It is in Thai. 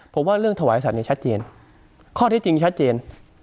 ผมว่าเรื่องถวายสัตว์ชัดเจนข้อที่จริงชัดเจน